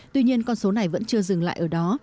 tuy nhiên con số này vẫn chưa dừng lại ở đó